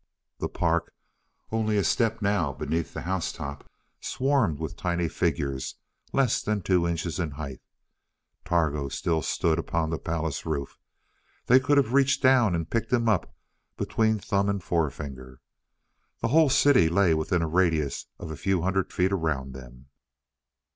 The park, only a step now beneath the house top, swarmed with tiny figures less than two inches in height. Targo still stood upon the palace roof; they could have reached down and picked him up between thumb and forefinger. The whole city lay within a radius of a few hundred feet around them.